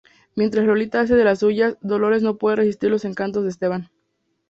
Mientras Lolita hace de las suyas, Dolores no puede resistir los encantos de Esteban.